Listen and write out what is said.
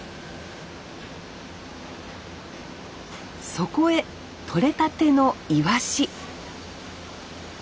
そこへ取れたてのイワシ。